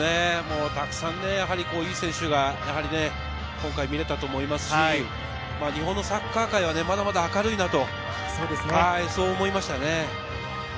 たくさんいい選手が今回見れたと思いますし、日本のサッカー界はまだまだ明るいなと、そう思いましたね。